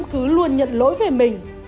cứ luôn nhận lỗi về mình